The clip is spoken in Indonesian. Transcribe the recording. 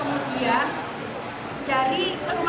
ternyata ada dua yang diperkilakan itu berita